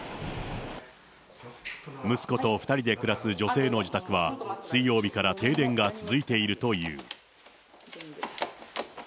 息子と２人で暮らす女性の自宅は、水曜日から停電が続いているという。